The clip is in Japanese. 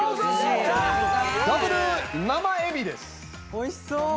おいしそう。